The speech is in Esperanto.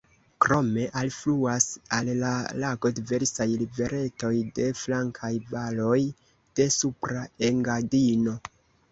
Krome alfluas al la lago diversaj riveretoj de flankaj valoj de Supra Engadino.